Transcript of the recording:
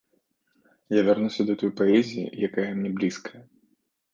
Я вярнуся да той паэзіі, якая мне блізкая.